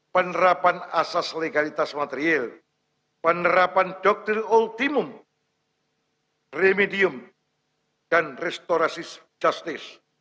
penerapan asas legalitas material penerapan doktril ultimum remedium dan restoratif justice